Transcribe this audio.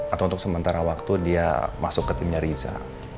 atau untuk sementara waktu dia masuk ke timnya riza